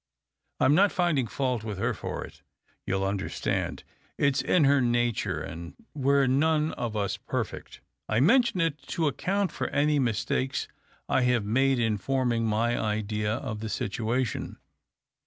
I'm not finding fault with her for it, you'll understand. It's in her nature, and we're none of us perfect. I mention it, to account for any mistakes I have made in forming my idea of the situation.